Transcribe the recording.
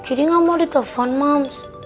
jadi gak mau ditelepon mams